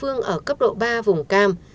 ở cấp độ ba vùng cam